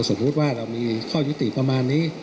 สมมุติว่าเรามีข้อยุติประมาณนี้